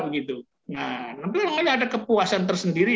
nanti ada kepuasan tersendiri